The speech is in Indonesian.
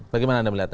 bagaimana anda melihat